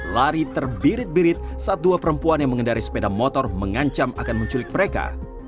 lari terbirit birit saat dua perempuan yang mengendari sepeda motor mengancam akan menculik mereka